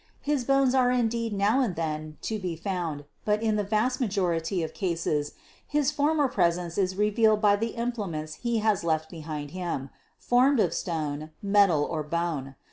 His bones are indeed now and then to be found, but in the vast majority of cases his former pres ence is revealed by the implements he has left behind him, formed of stone, metal or bone.